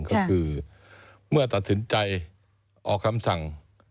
ก็คือเมื่อตัดสินใจออกคำสั่ง